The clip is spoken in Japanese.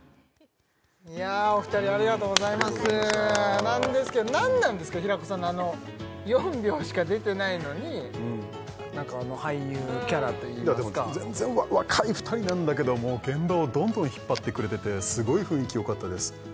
いやお二人ありがとうございますなんですけど何なんですか平子さんのあの４秒しか出てないのに何かあの俳優キャラといいますかでも全然若い２人なんだけども現場をどんどん引っ張ってくれててすごい雰囲気よかったです